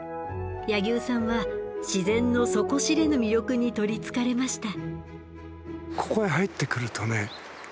柳生さんは自然の底知れぬ魅力に取りつかれました。